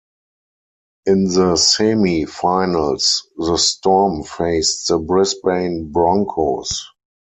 In the Semi-Finals, the Storm faced the Brisbane Broncos.